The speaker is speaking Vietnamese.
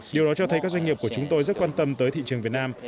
điều đó cho thấy các doanh nghiệp của chúng tôi rất quan tâm tới thị trường việt nam